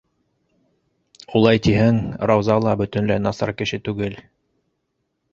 Улай тиһәң, Рауза ла бөтөнләй насар кеше түгел.